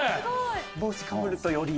帽子かぶるとより。